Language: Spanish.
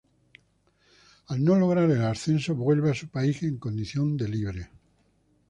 Al no lograr el ascenso, vuelve a su país en condición de libre.